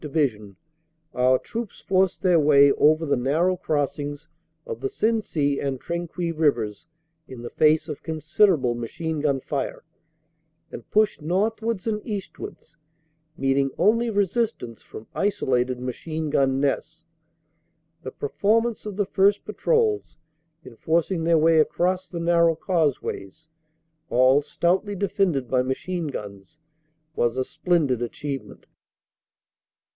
Division, our troops forced their way over the nar row crossings of the Sensee and Trinquis Rivers in the face of considerable machine gun fire and pushed northwards and eastwards, meeting only resistance from isolated machine gun nests. The performance of the first patrols in forcing their way across the narrow causeways, all stoutly defended by machine guns, was a splendid achievement.